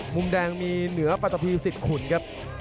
มุมแดงมีเหนือปฏภิสิทธิ์ขุนครับ